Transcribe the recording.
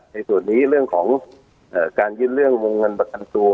ในส่วนนี้เรื่องของการยื่นเรื่องวงเงินประกันตัว